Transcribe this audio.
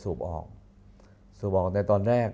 อเรนนี่แหละอเรนนี่แหละ